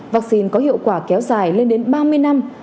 vaccine có hiệu quả kéo dài lên đến ba mươi năm